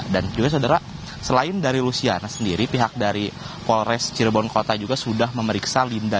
dan juga saudara selain dari luciana sendiri pihak dari polres cirebon kota juga sudah memeriksa linda